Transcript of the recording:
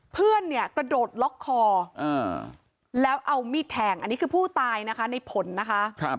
เพื่อนเนี่ยกระโดดล็อกคอแล้วเอามีดแทงอันนี้คือผู้ตายนะคะในผลนะคะ